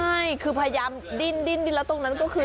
ใช่คือพยายามดิ้นแล้วตรงนั้นก็คือ